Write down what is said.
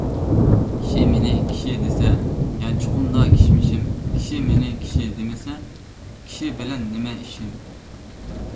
كىشى مېنى كىشى دېسە، يانچۇقۇمدا كىشمىشىم. كىشى مېنى كىشى دېمىسە، كىشى بىلەن نېمە ئىشىم.